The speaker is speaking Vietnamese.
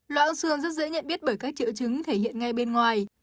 lõa xương rất dễ nhận biết bởi các triệu trứng thể hiện ngay bên ngoài